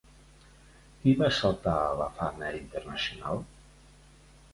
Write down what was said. Qui va saltar a la fama internacional?